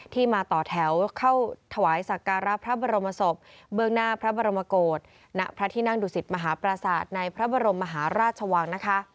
ที่มาต่อแถวเข้าถวายสักการะพระบรมศพเบื้องหน้าพระบรมโกศณพระที่นั่งดุสิตมหาปราศาสตร์ในพระบรมมหาราชวังนะคะ